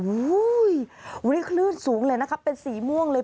วิ่งคลื่นสูงเลยนะคะเป็นสีม่วงเลย